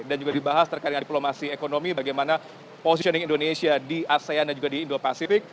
dan juga dibahas terkait dengan diplomasi ekonomi bagaimana positioning indonesia di asean dan juga di indo pasifik